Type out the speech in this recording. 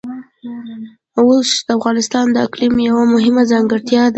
اوښ د افغانستان د اقلیم یوه مهمه ځانګړتیا ده.